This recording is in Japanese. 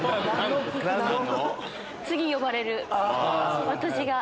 次呼ばれる私が。